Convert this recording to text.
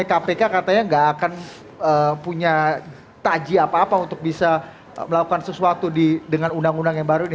kpk katanya nggak akan punya taji apa apa untuk bisa melakukan sesuatu dengan undang undang yang baru ini